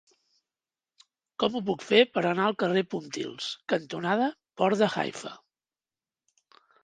Com ho puc fer per anar al carrer Pontils cantonada Port de Haifa?